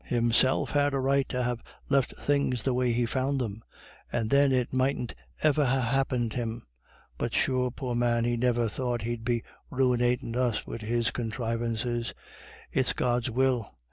Himself had a right to ha' left things the way he found them, and then it mightn't iver ha' happened him. But sure, poor man, he niver thought he'd be ruinatin' us wid his conthrivances. It's God's will.